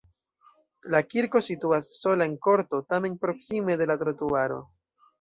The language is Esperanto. La kirko situas sola en korto, tamen proksime de la trotuaro.